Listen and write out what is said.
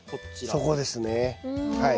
そこですねはい。